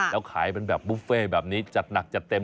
แล้วขายเป็นแบบบุฟเฟ่แบบนี้จัดหนักจัดเต็ม